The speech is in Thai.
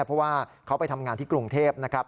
เพราะว่าเขาไปทำงานที่กรุงเทพนะครับ